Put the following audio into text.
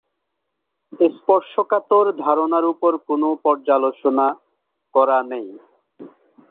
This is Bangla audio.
স্পর্শকাতর ধারণার উপর কোনও পর্যালোচনা করা নেই।